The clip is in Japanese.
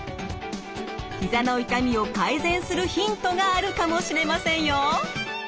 ひざの痛みを改善するヒントがあるかもしれませんよ。